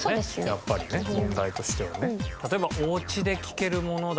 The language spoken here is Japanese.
やっぱりね問題としてはね。